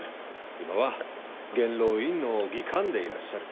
今は元老院の議官でいらっしゃる。